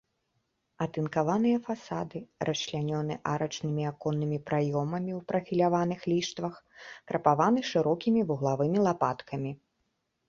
Атынкаваныя фасады расчлянёны арачнымі аконнымі праёмамі ў прафіляваных ліштвах, крапаваны шырокімі вуглавымі лапаткамі.